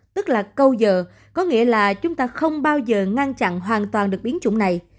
tức là câu giờ có nghĩa là chúng ta không bao giờ ngăn chặn hoàn toàn được biến chủng này